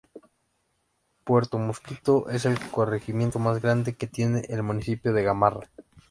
Puerto Mosquito es el corregimiento más grande que tiene el municipio de Gamarra.